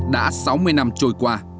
đã sáu mươi năm trôi qua